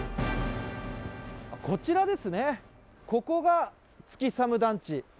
こちらですね、ここが月寒団地。